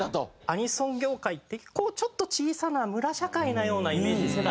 アニソン業界ってこうちょっと小さな村社会のようなイメージ世代だったんですよ。